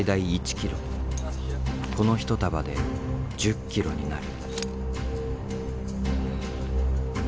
この一束で１０ｋｇになる。